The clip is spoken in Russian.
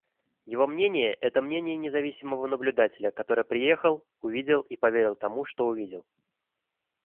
Его мнение — это мнение независимого наблюдателя, который приехал, увидел и поверил тому, что увидел.